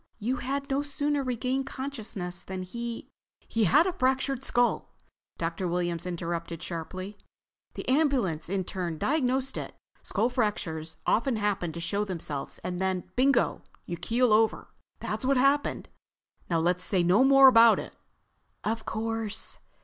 You had no sooner regained consciousness than he—" "He had a fractured skull!" Dr. Williams interrupted sharply. "The ambulance intern diagnosed it. Skull fractures often fail to show themselves and then—bingo, you keel over. That's what happened. Now let's say no more about it." "Of course."